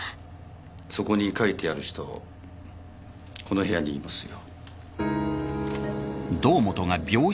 そこに書いてある人この部屋にいますよ